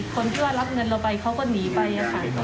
คนที่ว่ารับเงินเราไปเขาก็หนีไปค่ะ